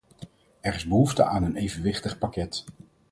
Er is behoefte aan een evenwichtig pakket.